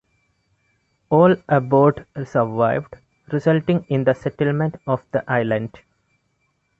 All aboard survived, resulting in the settlement of the island.